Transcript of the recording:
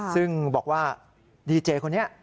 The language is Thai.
ซึ่งบอกว่าดีเจคนนี้